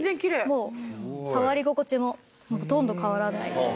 もう触り心地もほとんど変わらないです。